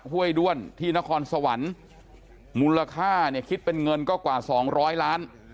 ห้วยด้วนที่นครสวรรค์มูลค่าเนี่ยคิดเป็นเงินก็กว่าสองร้อยล้าน